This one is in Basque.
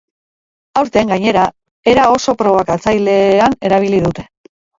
Aurten, gainera, era oso probokatzailean erabili dute.